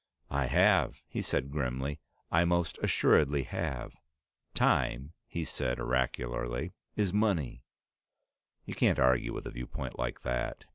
"I have," he said grimly. "I most assuredly have. Time," he said oracularly, "is money." You can't argue with a viewpoint like that.